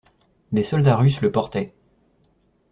Des soldats russes le portaient.